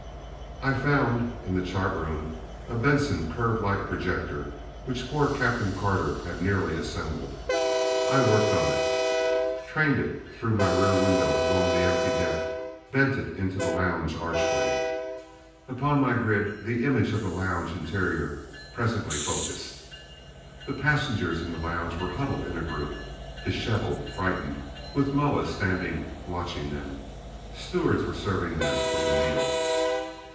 I found, in the chart room, a Benson curve light projector which poor Captain Carter had nearly assembled. I worked on it, trained it through my rear window along the empty deck; bent it into the lounge archway. Upon my grid the image of the lounge interior presently focused. The passengers in the lounge were huddled in a group. Disheveled, frightened, with Moa standing watching them. Stewards were serving them with a meal.